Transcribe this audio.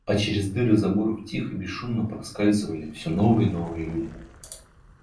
А через дыры заборов тихо и бесшумно проскальзывали все новые и новые люди.